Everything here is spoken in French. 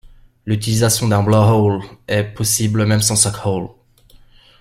L'utilisation d'un blowhole est possible même sans suckhole.